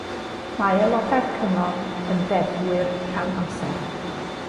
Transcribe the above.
Mae aelodau'r Cyngor yn ddeddfwyr rhan-amser.